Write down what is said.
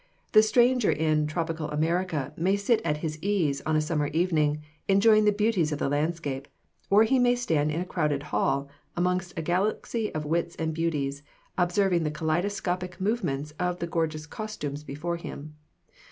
The stranger in tropical America may sit at his ease on a summer evening, enjoying the beauties of the landscape; or he may stand in a crowded hall, amongst a galaxy of wits and beauties, observing the kaleidoscopic movements of the gorgeous costumes before him.